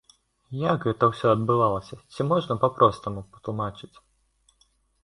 Як гэта ўсё адбывалася, ці можна па-простаму патлумачыць?